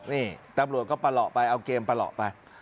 นี่ตำรวจก็ปะเหลาะไปเอาเกมประเหลาะไป